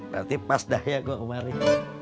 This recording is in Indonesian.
berarti pas dah ya gue kemarin